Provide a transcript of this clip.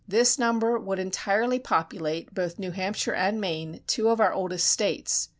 This number would entirely populate both New Hampshire and Maine, two of our oldest States."